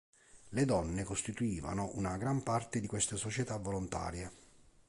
Le donne costituivano una gran parte di queste società volontarie.